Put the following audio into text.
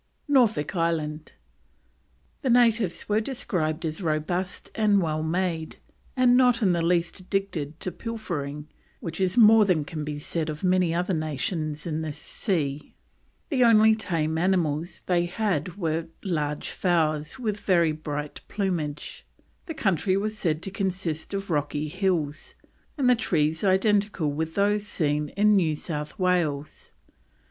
NORFOLK ISLAND. The natives were described as robust and well made, "and not in the least addicted to pilfering, which is more than can be said of any other nation in this sea." The only tame animals they had were large fowls with very bright plumage. The country was said to consist of rocky hills, and the trees identical with those seen in New South Wales.